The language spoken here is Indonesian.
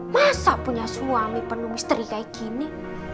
masa punya suami penuh misteri kayak gini